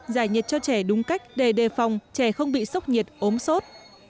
giải nhiệt cho trẻ đúng cách để đề phòng trẻ không bị sốc nhiệt ốm sốt